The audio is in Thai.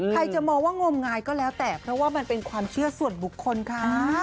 จะมองว่างมงายก็แล้วแต่เพราะว่ามันเป็นความเชื่อส่วนบุคคลค่ะ